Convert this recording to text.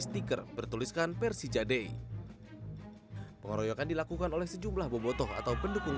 stiker bertuliskan persija day pengeroyokan dilakukan oleh sejumlah bobotoh atau pendukung